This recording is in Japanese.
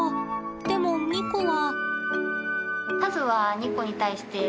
でもニコは。